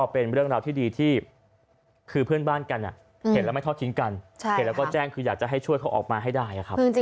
เป็นเรื่องราวที่ดีที่คือเพื่อนบ้านกันเห็นแล้วไม่ทอดทิ้งกันเห็นแล้วก็แจ้งคืออยากจะให้ช่วยเขาออกมาให้ได้ครับ